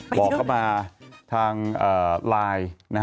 บอกมาทางไลน์